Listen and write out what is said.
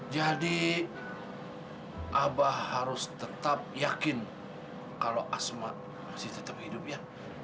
jadi abah harus tetap yakin kalau asma masih tetap hidup ya